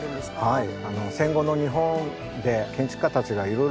はい。